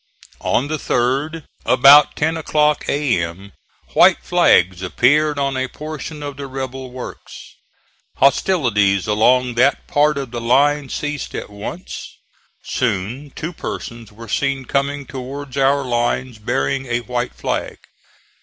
On the 3d about ten o'clock A.M. white flags appeared on a portion of the rebel works. Hostilities along that part of the line ceased at once. Soon two persons were seen coming towards our lines bearing a white flag.